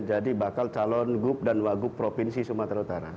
jadi bakal calon gub dan wagub provinsi sumatera utara